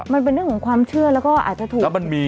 มันเป็นเรื่องของความเชื่อแล้วก็อาจจะถูกแล้วมันมี